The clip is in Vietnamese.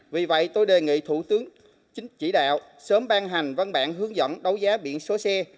vì vậy tôi đề nghị thủ tướng chính chỉ đạo sớm ban hành văn bản hướng dẫn đấu giá biển số xe